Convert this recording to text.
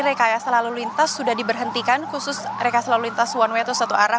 rekayasa lalu lintas sudah diberhentikan khusus rekas lalu lintas one way atau satu arah